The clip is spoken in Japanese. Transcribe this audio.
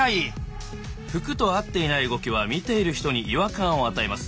服と合っていない動きは見ている人に違和感を与えます。